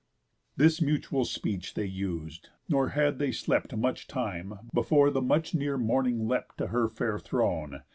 This mutual speech they us'd, nor had they slept Much time before the much near morning leapt To her fair throne.